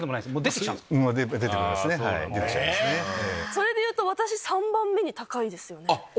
それでいうと私３番目に高いですよね。